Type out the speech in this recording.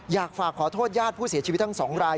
อยากฝากขอโทษญาติผู้เสียชีวิตทั้ง๒ราย